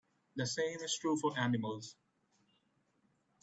The same is true for animals.